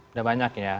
udah banyak ya